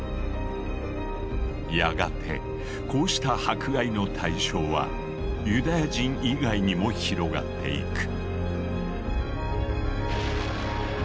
やがてこうした迫害の対象はユダヤ人以外にも広がっていく。